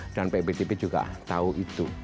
dan pak btp juga tahu itu